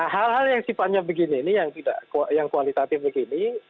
hal hal yang sifatnya begini ini yang kualitatif begini